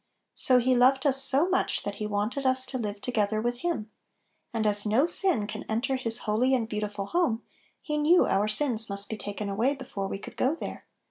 So He loved us so much that He wanted us to live together with Him; and as no sin can enter His holy and beautiful home, He knew our sins must be taken away before we could go there.